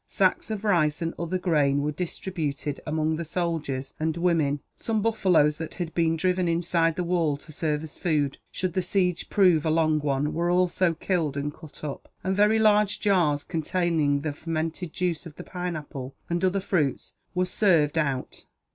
Sacks of rice and other grain were distributed among the soldiers and women; some buffaloes that had been driven inside the wall to serve as food, should the siege prove a long one, were also killed and cut up; and very large jars, containing the fermented juice of the pineapple, and other fruits, were served out.